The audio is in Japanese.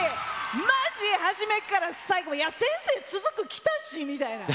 まじ、初めから最後まで、いや、先生、続く、きたしみたいな。